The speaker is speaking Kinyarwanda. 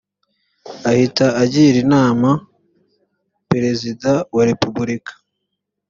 ahita agira inama perezida wa repubulika